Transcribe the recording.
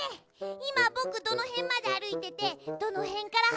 いまぼくどのへんまであるいててどのへんからはしってた？